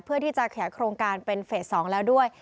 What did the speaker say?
เพื่อที่จะแขกโครงการเป็นเฟส๒แล้วด้วย